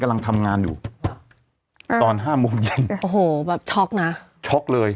ก๋าลังทำงานอยู่ตอน๕มุมเห็นโอ้โหแบบช็อคนะช๊อคเลย